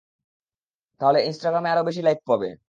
তাহলেই ইন্সটাগ্রামে আরও বেশি লাইক পাবো।